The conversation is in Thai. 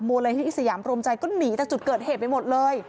โมเลนอิสยามโบรมใจก็หนีแต่จุดเกิดเหตุไม่หมดเลย